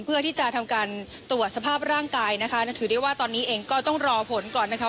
เพื่อที่จะทำการตรวจสภาพร่างกายนะคะถือได้ว่าตอนนี้เองก็ต้องรอผลก่อนนะคะ